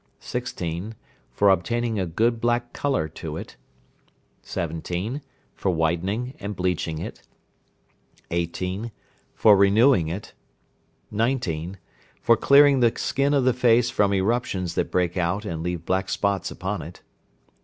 16. For obtaining a good black colour to it. 17. For whitening and bleaching it. 18. For renewing it. 19. For clearing the skin of the face from eruptions that break out and leave black spots upon it.